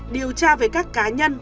điều tra với các cá nhân